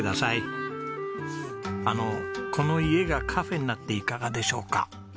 あのこの家がカフェになっていかがでしょうか？